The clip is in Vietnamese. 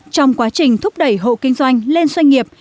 trong quá trình thúc đẩy hộ kinh doanh lên doanh nghiệp